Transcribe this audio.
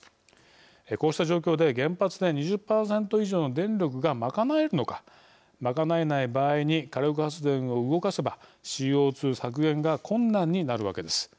こうした状況で原発で２０％以上の電力が賄えるのか賄えない場合に火力発電を動かせばＣＯ２削減が困難になるわけです。